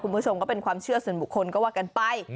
คุณผู้ชมก็เป็นความเชื่อส่วนบุคคลก็ว่ากันไป